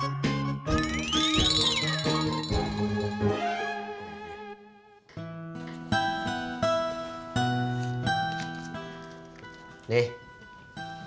hari ini abang dapet segini